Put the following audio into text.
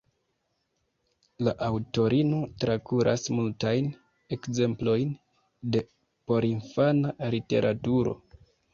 La aŭtorino trakuras multajn ekzemplojn de porinfana literaturo.